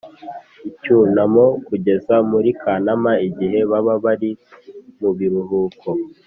icyunamo kugeza muri Kanama igihe baba bari mu biruhuko